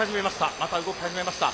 また動き始めました。